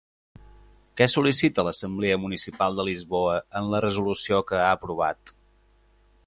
Què sol·licita l'Assemblea Municipal de Lisboa en la resolució que ha aprovat?